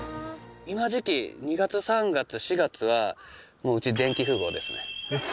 今時期２月３月４月はもううち電気富豪ですね。